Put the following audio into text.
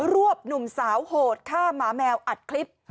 วบหนุ่มสาวโหดฆ่าหมาแมวอัดคลิป